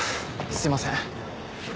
すみません。